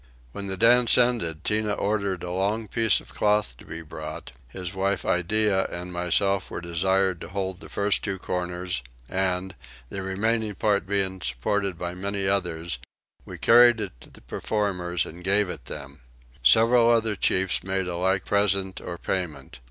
When the dance ended Tinah ordered a long piece of cloth to be brought; his wife Iddeah and myself were desired to hold the two first corners and, the remaining part being supported by many others, we carried it to the performers and gave it them. Several other chiefs made a like present or payment.